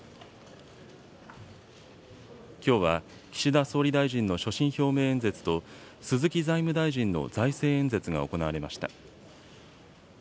きょうは岸田総理大臣の所信表明演説と、鈴木財務大臣の財政演説が行われました。